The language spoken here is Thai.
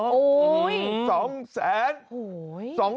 โอ้โฮโอ้โฮโอ้โฮโอ้โฮโอ้โฮโอ้โฮโอ้โฮโอ้โฮโอ้โฮ๒แสน